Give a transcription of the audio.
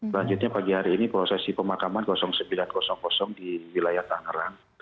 selanjutnya pagi hari ini prosesi pemakaman sembilan ratus di wilayah tangerang